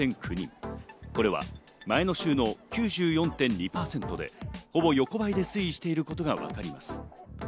これは前の週の９４．２％でほぼ横ばいで推移していることがわかります。